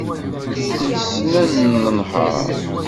Nessen an-nehder.